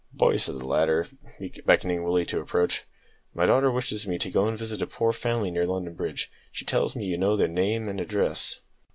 "Boy," said the latter, beckoning Willie to approach, "my daughter wishes me to go and visit a poor family near London Bridge. She tells me you know their name and address."